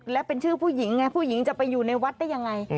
และเป็นชื่อผู้หญิงไงผู้หญิงจะไปอยู่ในวัดได้ยังไง